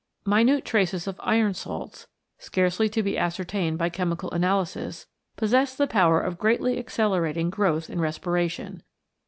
Minute traces of iron salts, scarcely to be ascertained by chemical analysis, possess the power of greatly accelerating growth and respiration.